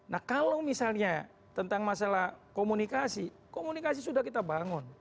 nah kalau misalnya tentang masalah komunikasi komunikasi sudah kita bangun